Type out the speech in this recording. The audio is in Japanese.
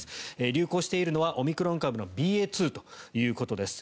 流行しているのはオミクロン株のＢＡ．２ということです。